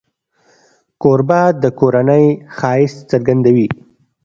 کوربه د کورنۍ ښایست څرګندوي.